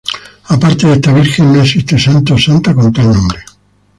Aparte de esta Virgen, no existe santo o santa con tal nombre.